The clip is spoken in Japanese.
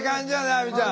亜美ちゃん。